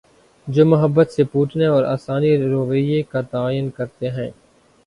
جومحبت سے پھوٹتے اور انسانی رویے کا تعین کر تے ہیں۔